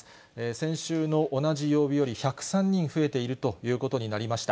先週の同じ曜日より１０３人増えているということになりました。